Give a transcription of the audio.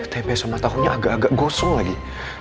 tempe sama tahunya agak agak gosong lagi